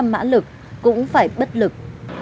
bốn trăm linh mã lực cũng phải bất lực